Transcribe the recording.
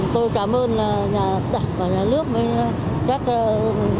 tôi cảm ơn nhà đặc và nhà nước